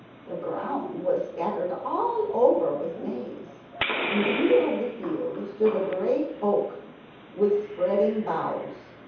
The ground was scattered all over with maize. In the middle of the field stood a great oak with spreading boughs.